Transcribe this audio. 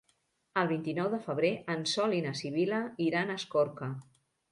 El vint-i-nou de febrer en Sol i na Sibil·la iran a Escorca.